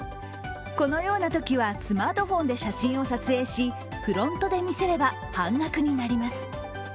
このようなときはスマートフォンで写真を撮影しフロントで見せれば半額になります。